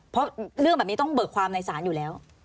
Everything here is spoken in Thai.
เพราะเรื่องแบบนี้ต้องเบิกความในศาลอยู่แล้ว